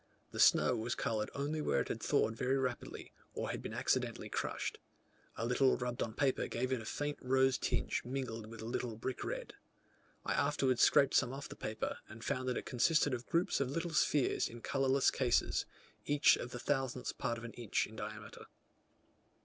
The snow was coloured only where it had thawed very rapidly, or had been accidentally crushed. A little rubbed on paper gave it a faint rose tinge mingled with a little brick red. I afterwards scraped some off the paper, and found that it consisted of groups of little spheres in colourless cases, each of the thousandth part of an inch in diameter.